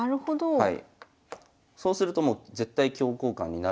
はい。